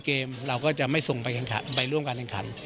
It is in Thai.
เกมเราก็จะไม่ส่งไปร่วมการแข่งขัน